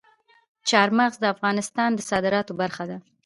چار مغز د افغانستان د صادراتو برخه ده.